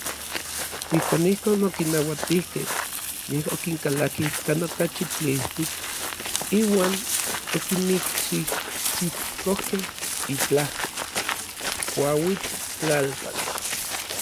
Ijkuak ijkon okinauatijkej, yej okinkalakij kan okachi tlijtik iuan okinmikxitsikojkej itlajko kuauitl tlalpan.